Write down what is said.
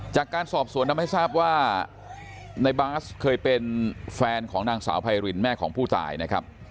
จากการสอบสวนทำให้ทราบว่าในบาสเคยเป็นแฟนของนางสาวไพรินแม่ของผู้ตายนะครับ